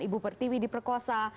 ibu pertiwi diperkosa